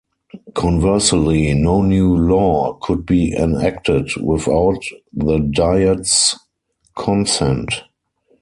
Conversely, no new law could be enacted, without the Diet's consent.